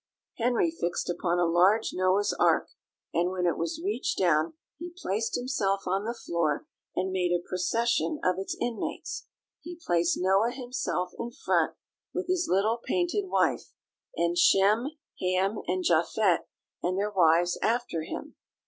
Henry fixed upon a large Noah's ark, and when it was reached down, he placed himself on the floor, and made a procession of its inmates. He placed Noah himself in front, with his little painted wife, and Shem, Ham, and Japhet, and their wives after him.